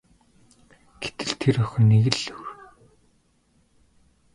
Гэтэл тэр охин нэг л өөр.